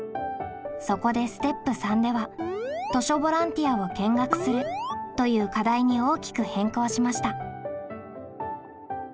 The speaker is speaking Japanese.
そこでステップ③では「図書ボランティアを見学する」という課題に大きく変更しました。